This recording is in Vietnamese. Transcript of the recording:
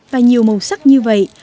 và nhiều màu sắc như vậy